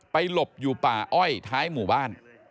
หลบอยู่ป่าอ้อยท้ายหมู่บ้าน